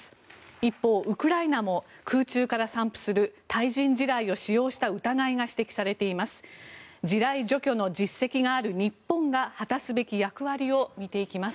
一方、ウクライナも空中から散布する対人地雷を使用した疑いが指摘されています。